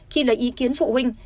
khi lấy ý kiến phụ huynh